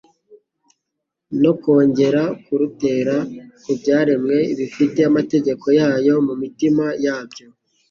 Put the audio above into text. no kongera kurutera mu byaremwe bifite amategeko yayo mu mitima yabyo,